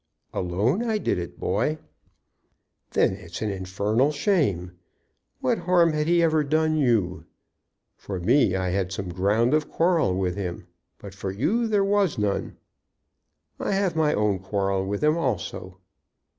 "'Alone I did it, boy.'" "Then it's an infernal shame. What harm had he ever done you? For me I had some ground of quarrel with him, but for you there was none." "I have my own quarrel with him also."